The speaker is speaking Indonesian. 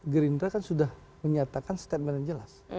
gerindra kan sudah menyatakan statement yang jelas